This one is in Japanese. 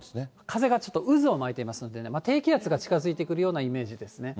風がちょっと渦を巻いてますんでね、低気圧が近づいてくるようなイメージですね。